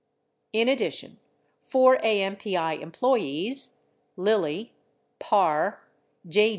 In addition, four AMPI employees, Lilly, Parr, J.